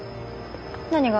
何が？